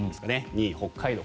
２位、北海道